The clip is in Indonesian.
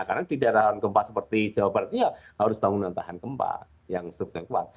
karena di daerah tahan gempa seperti jawa barat ya harus bangunan tahan gempa yang strukturnya kuat